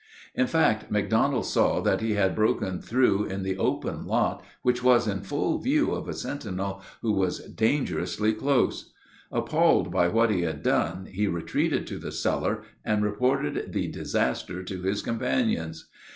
In fact, McDonald saw that he had broken through in the open lot which was all in full view of a sentinel who was dangerously close. Appalled by what he had done, he retreated to the cellar and reported the disaster to his companions.